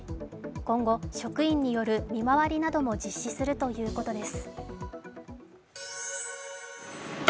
今後、職員による見回りなども実施するということです。